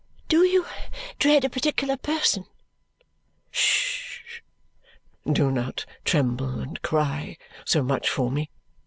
"Do you dread a particular person?" "Hush! Do not tremble and cry so much for me.